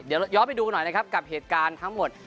เดี๋ยวย้อนไปดูหน่อยนะครับกับเหตุการณ์ทั้งหมด